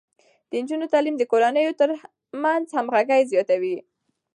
د نجونو تعليم د کورنيو ترمنځ همغږي زياتوي.